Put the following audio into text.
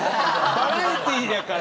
バラエティーやから。